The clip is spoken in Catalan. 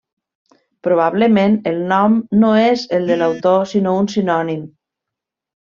Probablement el nom no és el de l'autor sinó un sinònim.